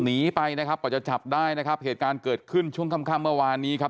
หนีไปนะครับกว่าจะจับได้นะครับเหตุการณ์เกิดขึ้นช่วงค่ำค่ำเมื่อวานนี้ครับ